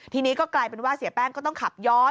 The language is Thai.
ทีนี้ก็กลายเป็นว่าเสียแป้งก็ต้องขับย้อน